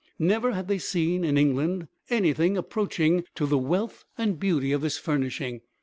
Never had they seen, in England, anything approaching to the wealth and beauty of this furnishing.